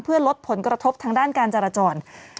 เพื่อลดผลกระทบทางด้านการจราจร